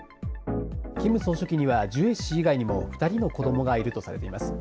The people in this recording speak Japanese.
キム総書記にはジュエ氏以外にも、２人の子どもがいるとされています。